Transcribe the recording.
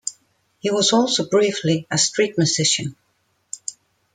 He was also, briefly, a street musician.